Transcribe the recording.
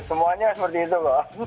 semuanya seperti itu loh